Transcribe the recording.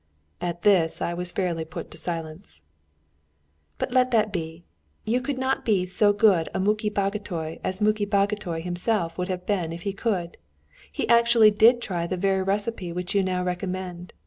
At this I was fairly put to silence. "But let that be! You could not be so good a Muki Bagotay as Muki Bagotay himself would have been if he could. He actually did try the very recipe which you now recommend.